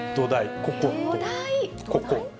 ここ。